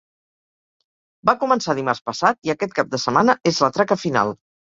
Va començar dimarts passat i aquest cap de setmana és la traca final.